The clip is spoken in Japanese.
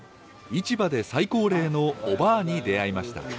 市場で最高齢のおばあに出会いました。